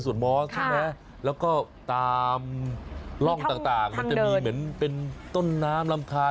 ส่วนมอสใช่ไหมแล้วก็ตามร่องต่างมันจะมีเหมือนเป็นต้นน้ำลำทาน